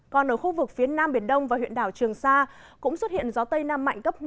còn ở khu vực phía nam biển đông và huyện đảo trường sa cũng xuất hiện gió tây nam mạnh cấp năm